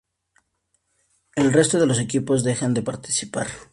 El resto de los equipos dejan de participar.